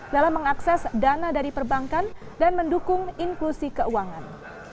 dalam mengakses dana dari perbankan dan mendukung inklusi keuangan